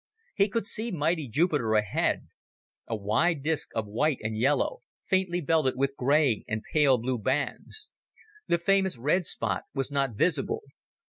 He could see mighty Jupiter ahead a wide disc of white and yellow, faintly belted with gray and pale blue bands. The famous red spot was not visible.